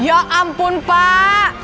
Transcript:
ya ampun pak